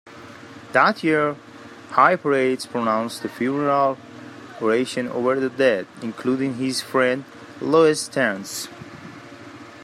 That year Hypereides pronounced the funeral oration over the dead including his friend Leosthenes.